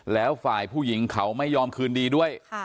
แล้วฝ่ายผู้หญิงเขาไม่ยอมคืนดีด้วย